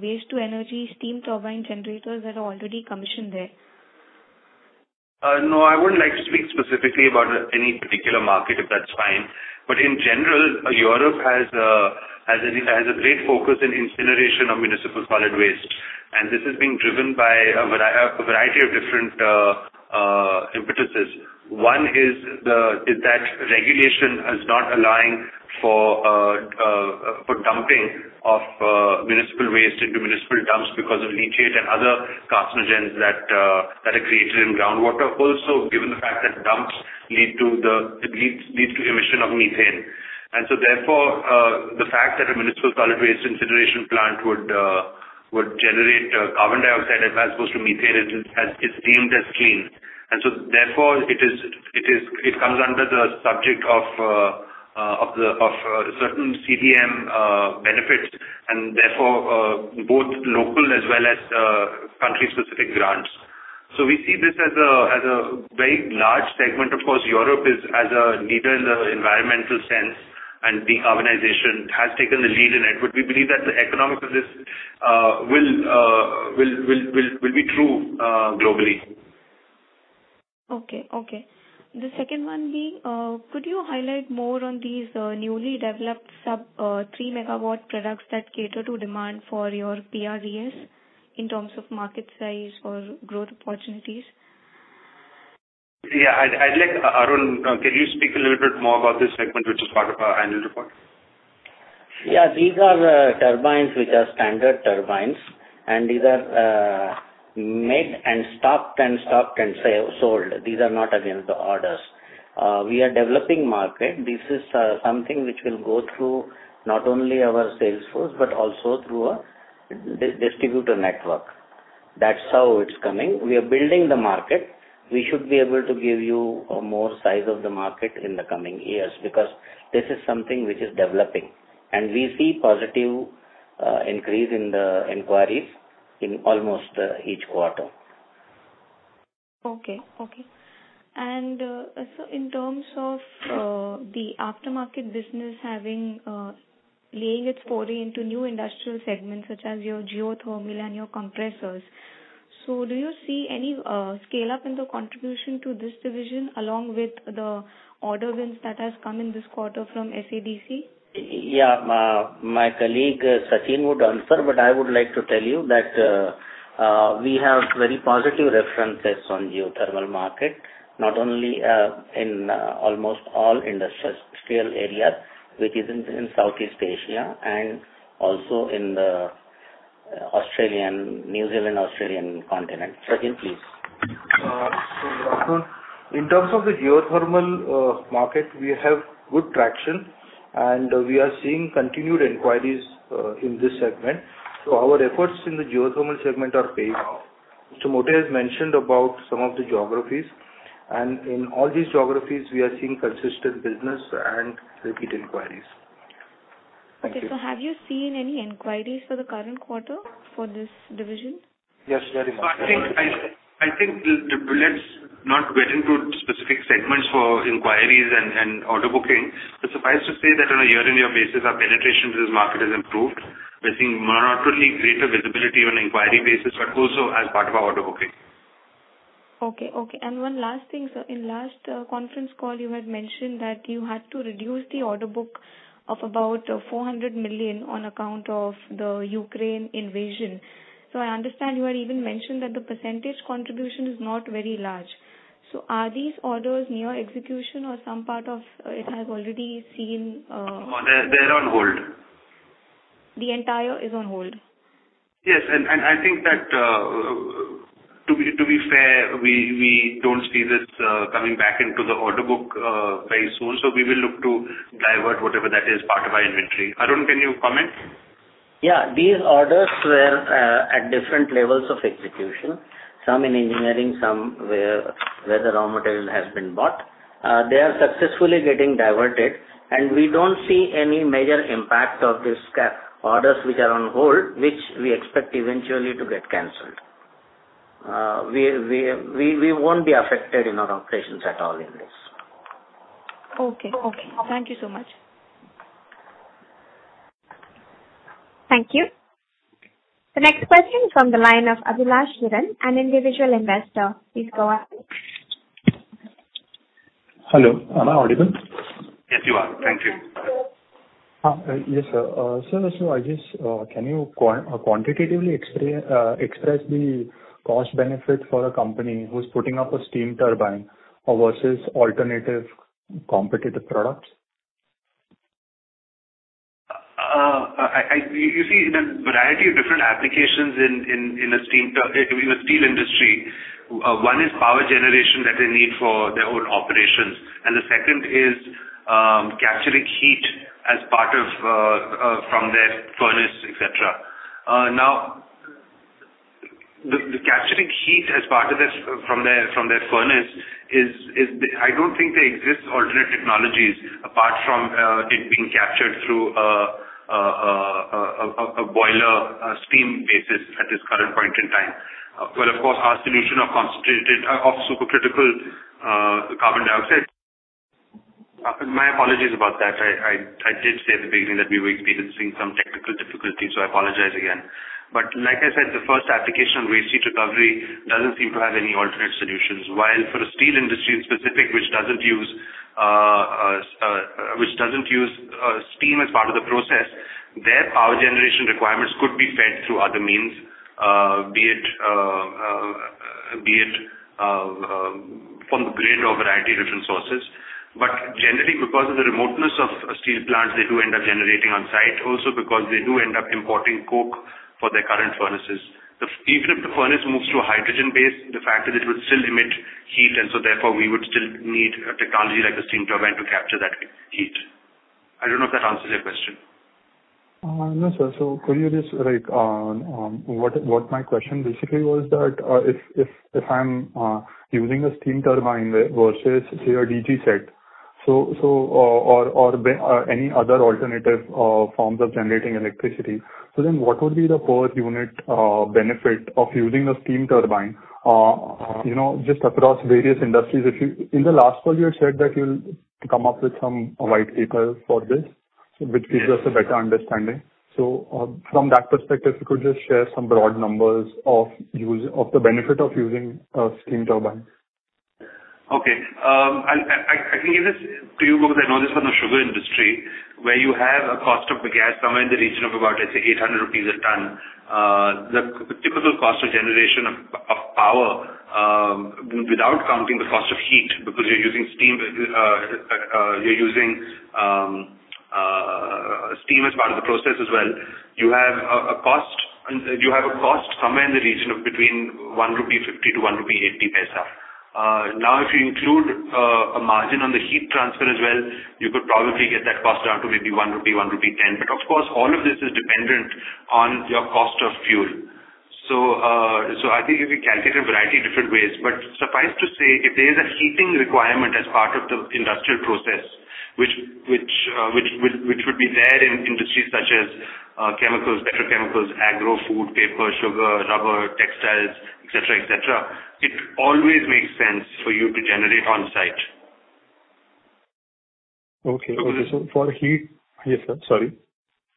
Speaker 13: Waste-to-Energy Steam Turbine Generators that are already commissioned there?
Speaker 3: No, I wouldn't like to speak specifically about any particular market, if that's fine. In general, Europe has a great focus on incineration of municipal solid waste. This is being driven by a variety of different impetuses. One is that regulation is not allowing for dumping of municipal waste into municipal dumps because of leachate and other carcinogens that are created in groundwater. Also, given the fact that dumps lead to emission of methane. Therefore, the fact that a municipal solid waste incineration plant would generate carbon dioxide as opposed to methane, it is deemed as clean. Therefore, it is, it comes under the subject of the certain CDM benefits and therefore both local as well as country specific grants. We see this as a very large segment. Of course, Europe is a leader in the environmental sense, and decarbonization has taken the lead in it. We believe that the economics of this will be true globally.
Speaker 13: The second one being, could you highlight more on these newly developed sub-3 MW products that cater to demand for your PRDS in terms of market size or growth opportunities?
Speaker 3: Yeah. I'd like, Arun, can you speak a little bit more about this segment, which is part of our annual report?
Speaker 12: Yeah. These are the turbines, which are standard turbines, and these are made and stocked and sold. These are not against the orders. We are developing market. This is something which will go through not only our sales force, but also through a distributor network. That's how it's coming. We are building the market. We should be able to give you more size of the market in the coming years because this is something which is developing, and we see positive increase in the inquiries in almost each quarter.
Speaker 13: In terms of the aftermarket business making its foray into new industrial segments such as your geothermal and your compressors. Do you see any scale up in the contribution to this division along with the order wins that has come in this quarter from SADC?
Speaker 12: Yeah. My colleague, Sachin would answer, but I would like to tell you that we have very positive references on geothermal market, not only in almost all industrial areas, which is in Southeast Asia and also in the-
Speaker 3: Australian, New Zealand, Australian continent. Sachin, please.
Speaker 14: In terms of the geothermal market, we have good traction, and we are seeing continued inquiries in this segment. Our efforts in the geothermal segment are paying off. Mote has mentioned about some of the geographies, and in all these geographies we are seeing consistent business and repeat inquiries. Thank you.
Speaker 13: Okay. Have you seen any inquiries for the current quarter for this division?
Speaker 14: Yes, very much.
Speaker 3: I think let's not get into specific segments for inquiries and auto booking. Suffice to say that on a year-on-year basis, our penetration to this market has improved. We're seeing not only greater visibility on an inquiry basis, but also as part of our order booking.
Speaker 13: Okay. One last thing, sir. In last conference call, you had mentioned that you had to reduce the order book of about 400 million on account of the Ukraine invasion. I understand you had even mentioned that the percentage contribution is not very large. Are these orders near execution or some part of it has already seen?
Speaker 3: No, they're on hold.
Speaker 13: The entire is on hold?
Speaker 3: Yes. I think that to be fair, we don't see this coming back into the order book very soon. We will look to divert whatever that is part of our inventory. Arun, can you comment?
Speaker 12: Yeah. These orders were at different levels of execution. Some in engineering, some where the raw material has been bought. They are successfully getting diverted. We don't see any major impact of this CapEx orders which are on hold, which we expect eventually to get canceled. We won't be affected in our operations at all in this.
Speaker 13: Okay. Okay. Thank you so much.
Speaker 1: Thank you. The next question from the line of Abhilash Hiran, an individual investor. Please go ahead.
Speaker 15: Hello, am I audible?
Speaker 3: Yes, you are. Thank you.
Speaker 15: Yes, sir. Sir, so I just, can you quantitatively express the cost benefit for a company who's putting up a steam turbine versus alternative competitive products?
Speaker 3: You see, there's a variety of different applications in the steel industry. One is power generation that they need for their own operations, and the second is capturing heat as part of from their furnace, et cetera. Now, capturing heat as part of this from their furnace is. I don't think there exists alternative technologies apart from a boiler steam basis at this current point in time. Well, of course, our solution of supercritical carbon dioxide. My apologies about that. I did say at the beginning that we were experiencing some technical difficulties, so I apologize again. Like I said, the first application of waste heat recovery doesn't seem to have any alternate solutions. While for a steel industry in specific which doesn't use steam as part of the process, their power generation requirements could be fed through other means, be it from the grid or variety of different sources. Generally, because of the remoteness of steel plants, they do end up generating on site also because they do end up importing coke for their current furnaces. If each of the furnace moves to a hydrogen-based, the fact is it would still emit heat, and so therefore we would still need a technology like the steam turbine to capture that heat. I don't know if that answers your question.
Speaker 15: No, sir. Could you just like, what my question basically was that, if I'm using a steam turbine versus say a DG set, or any other alternative forms of generating electricity, then what would be the per unit benefit of using a steam turbine, you know, just across various industries? In the last call you had said that you'll come up with some white paper for this, which gives us a better understanding. From that perspective, you could just share some broad numbers of the benefit of using a steam turbine.
Speaker 3: Okay. I can give this to you because I know this from the sugar industry where you have a cost of the gas somewhere in the region of about, let's say 800 rupees a tonne. The typical cost of generation of power without counting the cost of heat, because you're using steam as part of the process as well, you have a cost somewhere in the region of between 1.50-1.80 rupee. Now, if you include a margin on the heat transfer as well, you could probably get that cost down to maybe 1-1.10 rupee. But of course, all of this is dependent on your cost of fuel. I think you can calculate a variety of different ways. Suffice to say, if there is a heating requirement as part of the industrial process, which would be there in industries such as chemicals, petrochemicals, agro, food, paper, sugar, rubber, textiles, et cetera, it always makes sense for you to generate on site.
Speaker 15: Okay. For heat. Yes, sir. Sorry.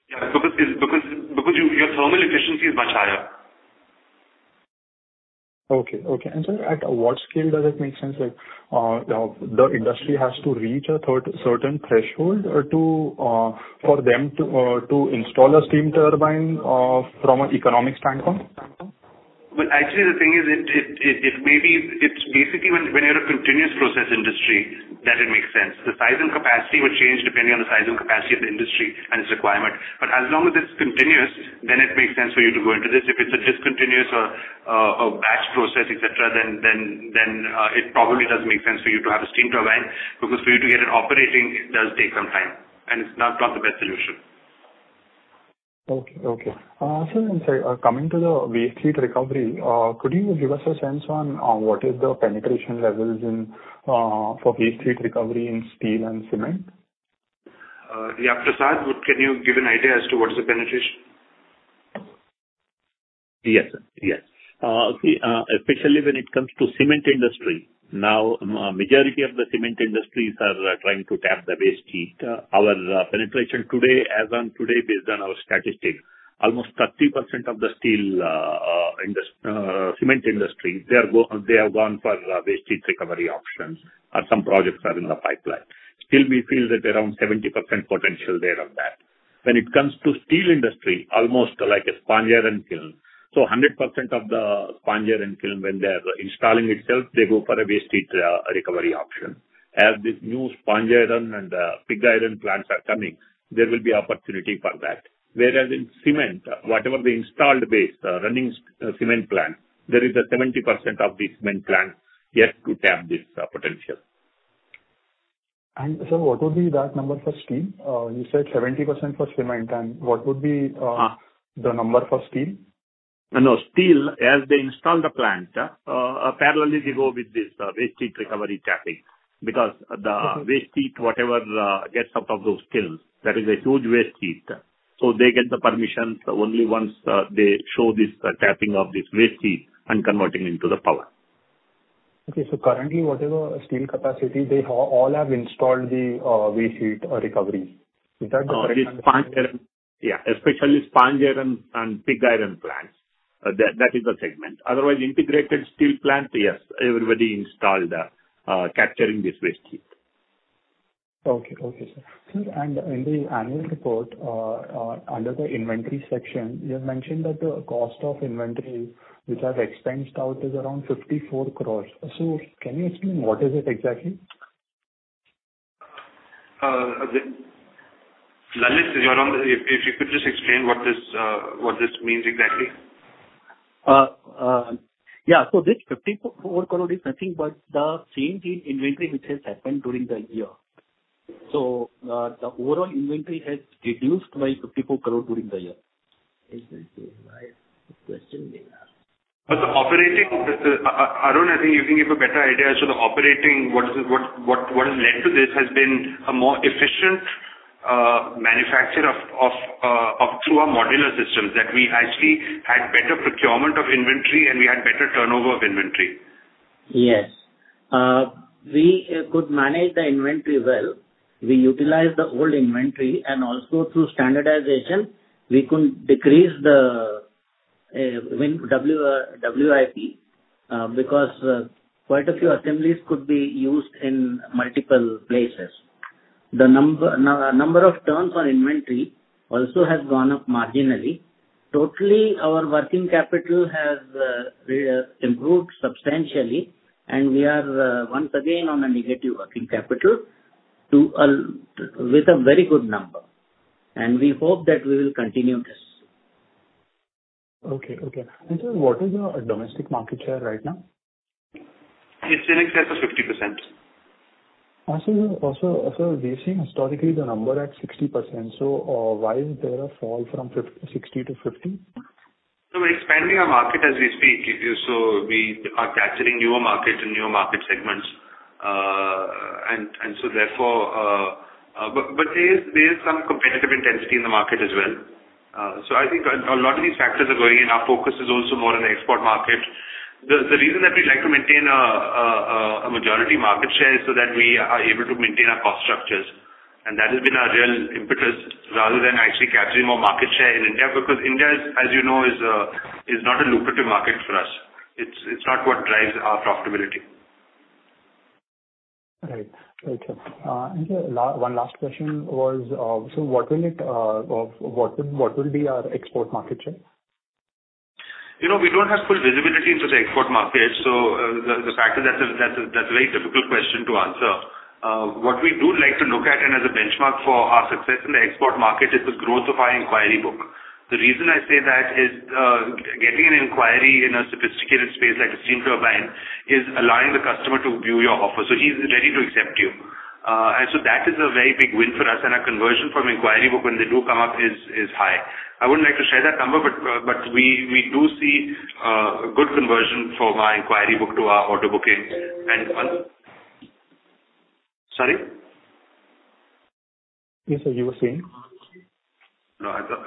Speaker 3: Yeah. Because your thermal efficiency is much higher.
Speaker 15: Okay. Sir, at what scale does it make sense? Like, the industry has to reach a certain threshold or for them to install a steam turbine, from an economic standpoint?
Speaker 3: Actually the thing is it may be. It's basically when you're a continuous process industry that it makes sense. The size and capacity would change depending on the size and capacity of the industry and its requirement. As long as it's continuous, then it makes sense for you to go into this. If it's a discontinuous or a batch process, et cetera, then it probably doesn't make sense for you to have a steam turbine, because for you to get it operating, it does take some time, and it's not the best solution.
Speaker 15: Coming to the waste heat recovery, could you give us a sense on what is the penetration levels in for waste heat recovery in steel and cement?
Speaker 3: Yeah. Prasad, can you give an idea as to what is the penetration?
Speaker 6: Yes, sir. Yes. See, especially when it comes to cement industry, now majority of the cement industries are trying to tap the waste heat. Our penetration today as on today based on our statistics, almost 30% of the steel, cement industry, they have gone for waste heat recovery options, and some projects are in the pipeline. Still we feel that around 70% potential there of that. When it comes to steel industry, almost like a sponge iron kiln. 100% of the sponge iron kiln when they're installing itself, they go for a waste heat recovery option. As the new sponge iron and pig iron plants are coming, there will be opportunity for that. Whereas in cement, whatever the installed base, running cement plant, there is 70% of the cement plant yet to tap this potential.
Speaker 15: Sir, what would be that number for steel? You said 70% for cement, and what would be,
Speaker 3: Uh.
Speaker 15: The number for steel?
Speaker 6: No, no. Steel, as they install the plant, parallelly they go with this, Waste Heat Recovery Tapping. Because the-
Speaker 15: Okay.
Speaker 6: Waste heat, whatever gets out of those kilns, that is a huge waste heat. They get the permissions only once, they show this, tapping of this waste heat and converting into the power.
Speaker 15: Okay. Currently whatever steel capacity, they all have installed the waste heat recovery. Is that the correct understanding?
Speaker 6: This sponge iron. Yeah, especially sponge iron and pig iron plants. That is the segment. Otherwise integrated steel plant, yes, everybody installed capturing this waste heat.
Speaker 15: Okay, sir. In the annual report, under the inventory section, you have mentioned that the cost of inventory which has expensed out is around 54 crores. Can you explain what is it exactly?
Speaker 3: Lalit, you're on the line. If you could just explain what this means exactly.
Speaker 16: This 54 crore is nothing but the change in inventory which has happened during the year. The overall inventory has reduced by 54 crore during the year.
Speaker 15: Exactly. My question was.
Speaker 3: Arun Mote, I think you can give a better idea as to the operating, what has led to this has been a more efficient manufacture through our modular systems. That we actually had better procurement of inventory and we had better turnover of inventory.
Speaker 12: Yes. We could manage the inventory well. We utilized the old inventory, and also through standardization we could decrease the WIP, because quite a few assemblies could be used in multiple places. The number of turns on inventory also has gone up marginally. Totally, our working capital has improved substantially, and we are once again on a negative working capital with a very good number. We hope that we will continue this.
Speaker 15: Okay. Sir, what is your domestic market share right now?
Speaker 3: It's in excess of 50%.
Speaker 15: Also, sir, we've seen historically the number at 60%, so why is there a fall from 60 to 50%?
Speaker 3: We're expanding our market as we speak. We are capturing newer markets and newer market segments. There is some competitive intensity in the market as well. I think a lot of these factors are going in. Our focus is also more on the export market. The reason that we like to maintain a majority market share is so that we are able to maintain our cost structures. That has been our real impetus rather than actually capturing more market share in India, because India is, as you know, not a lucrative market for us. It's not what drives our profitability.
Speaker 15: Right. Okay. Sir, one last question was, so what will be our export market share?
Speaker 3: You know, we don't have full visibility into the export market, so the fact is that's a very difficult question to answer. What we do like to look at and as a benchmark for our success in the export market is the growth of our inquiry book. The reason I say that is getting an inquiry in a sophisticated space like a steam turbine is allowing the customer to view your offer. He's ready to accept you. That is a very big win for us. Our conversion from inquiry book when they do come up is high. I wouldn't like to share that number, but we do see good conversion for our inquiry book to our order booking. Sorry?
Speaker 15: Yes, sir. You were saying.
Speaker 3: No, I don't.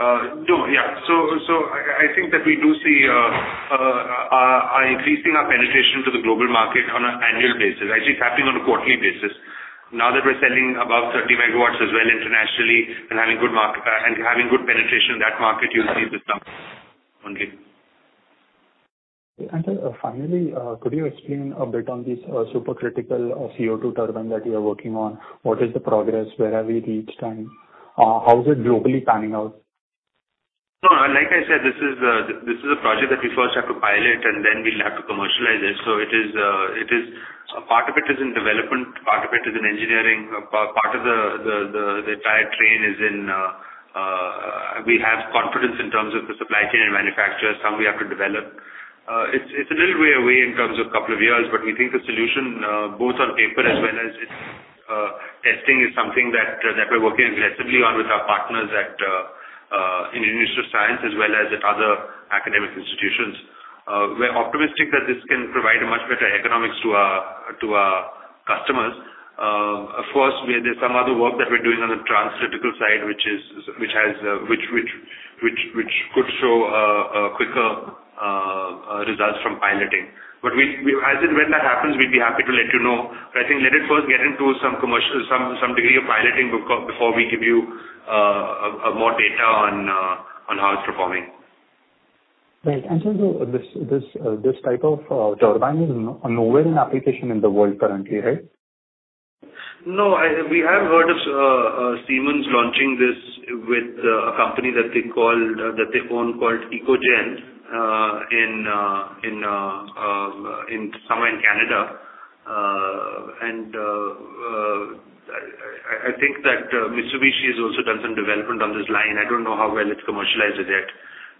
Speaker 3: No, yeah. I think that we are increasing our penetration to the global market on an annual basis. Actually it's happening on a quarterly basis. Now that we're selling above 30 megawatts as well internationally and having good penetration in that market, you will see this number increase.
Speaker 15: Finally, could you explain a bit on this Supercritical CO2 Turbine that you are working on? What is the progress? Where are we reached? How is it globally panning out?
Speaker 3: No, like I said, this is a project that we first have to pilot, and then we'll have to commercialize it. Part of it is in development, part of it is in engineering, part of the entire train is in. We have confidence in terms of the supply chain and manufacturers. Some we have to develop. It's a little way away in terms of couple of years, but we think the solution both on paper as well as its testing is something that we're working aggressively on with our partners in Ministry of Science and Technology as well as at other academic institutions. We're optimistic that this can provide a much better economics to our customers. Of course, we have done some other work that we're doing on the transcritical side, which could show quicker results from piloting. As and when that happens, we'd be happy to let you know. I think let it first get into some commercial, some degree of piloting before we give you more data on how it's performing.
Speaker 15: Right. This type of turbine is nowhere in application in the world currently, right?
Speaker 3: No, we have heard of Siemens launching this with a company that they own called Echogen in somewhere in Canada. I think that Mitsubishi has also done some development on this line. I don't know how well it's commercialized yet.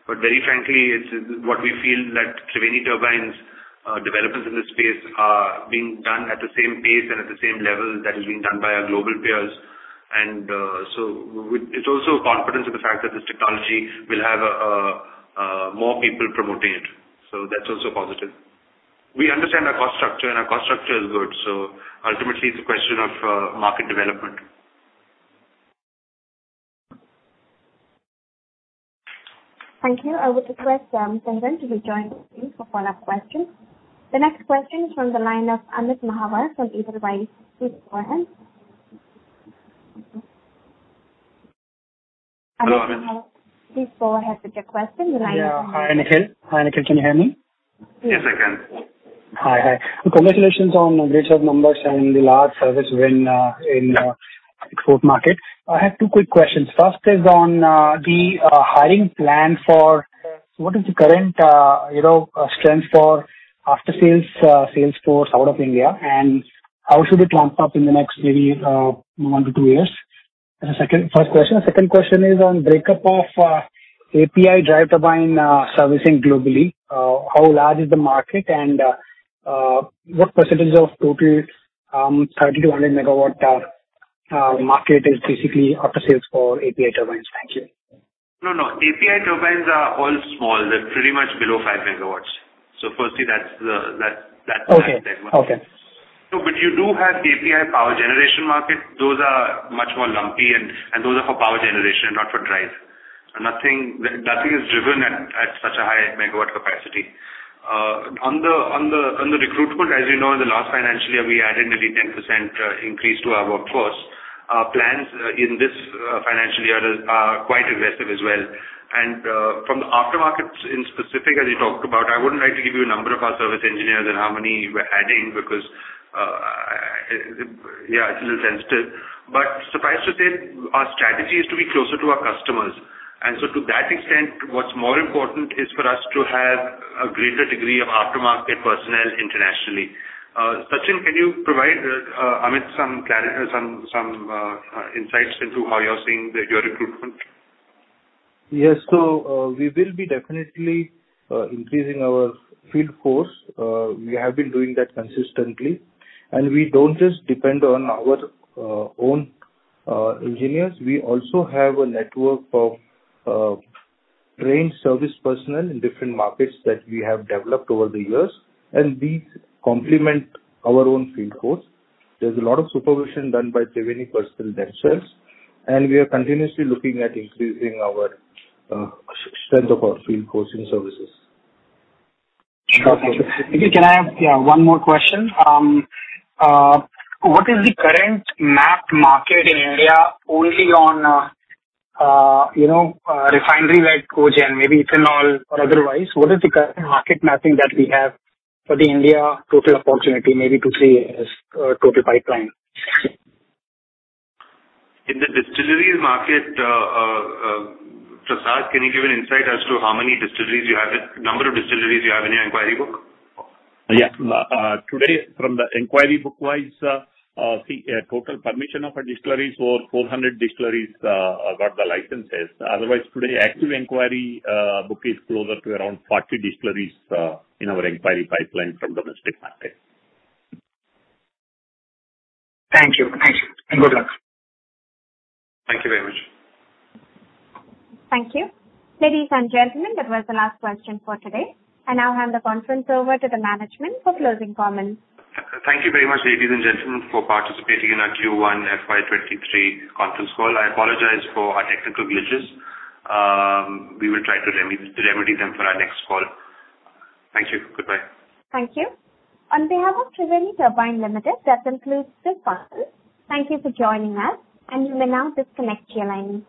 Speaker 3: But very frankly, what we feel that Triveni Turbine developments in this space are being done at the same pace and at the same level that is being done by our global peers. It's also a confidence in the fact that this technology will have more people promoting it. That's also positive. We understand our cost structure, and our cost structure is good. Ultimately, it's a question of market development.
Speaker 1: Thank you. I would request, Sanjayan to rejoin the queue for follow-up questions. The next question is from the line of Amit Mahawar from Edelweiss. Please go ahead.
Speaker 17: Good morning.
Speaker 1: Amit Mahajan, please go ahead with your question. The line is open.
Speaker 17: Yeah. Hi, Nikhil. Hi, Nikhil. Can you hear me?
Speaker 3: Yes, I can.
Speaker 17: Hi. Congratulations on great set of numbers and the large service win in export market. I have two quick questions. First is on the hiring plan for what is the current you know strength for after-sales sales force out of India, and how should it ramp up in the next maybe one to two years? Second question is on breakup of API Turbine servicing globally. How large is the market, and what percentage of total 30-100 MW market is basically after-sales for API Turbines? Thank you.
Speaker 3: No, no. API Turbines are all small. They're pretty much below 5 megawatts. Firstly, that's
Speaker 17: Okay. Okay.
Speaker 3: You do have API power generation market. Those are much more lumpy, and those are for power generation, not for drive. Nothing is driven at such a high megawatt capacity. On the recruitment, as you know, in the last financial year, we added nearly 10% increase to our workforce. Plans in this financial year are quite aggressive as well. From the aftermarket in specific, as you talked about, I wouldn't like to give you a number of our service engineers and how many we're adding because it's a little sensitive. Suffice to say, our strategy is to be closer to our customers. To that extent, what's more important is for us to have a greater degree of aftermarket personnel internationally. Sachin, can you provide Amit some clarity, some insights into how you're seeing your recruitment?
Speaker 14: Yes. We will be definitely increasing our field force. We have been doing that consistently. We don't just depend on our own engineers. We also have a network of trained service personnel in different markets that we have developed over the years, and these complement our own field force. There's a lot of supervision done by Triveni personnel themselves, and we are continuously looking at increasing our strength of our field force and services.
Speaker 17: Sure. Can I have, yeah, one more question? What is the current mapped market in India only on, you know, refinery-like cogen, maybe ethanol or otherwise? What is the current market mapping that we have for the India total opportunity, maybe two to three years, total pipeline?
Speaker 3: In the distilleries market, Prasad, can you give an insight as to how many distilleries you have in your inquiry book?
Speaker 6: Yeah. Today from the inquiry book-wise, total permission of a distillery is over 400 distilleries got the licenses. Otherwise, today active inquiry book is closer to around 40 distilleries in our inquiry pipeline from domestic market.
Speaker 17: Thank you. Good luck.
Speaker 3: Thank you very much.
Speaker 1: Thank you. Ladies and gentlemen, that was the last question for today. I now hand the conference over to the management for closing comments.
Speaker 3: Thank you very much, ladies and gentlemen, for participating in our Q1 FY 2023 conference call. I apologize for our technical glitches. We will try to remedy them for our next call. Thank you. Goodbye.
Speaker 1: Thank you. On behalf of Triveni Turbine Limited, that concludes this conference. Thank you for joining us, and you may now disconnect your line.